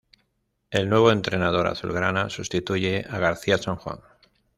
El nuevo entrenador azulgrana sustituye a García Sanjuán.